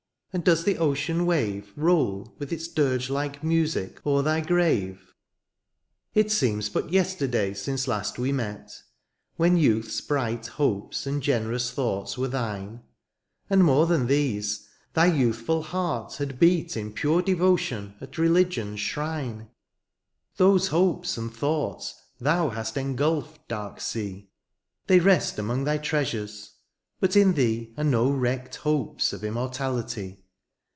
and does the ocean wave Roll with its dirge like music o^er thy grave ? It seems but yesterday since last we met ; When youth^s bright hopes andgenerous thoughts were thine ; And more than these — thy youthftd heart had beat In pure devotion at religion^s shrine. 178 LINES ON A FRIEND LOST AT SEA. Those hopes and thoughts thou hast engolphed, dark sea^ They rest among thy treasures ; but in thee Are no wrecked hopes of immortality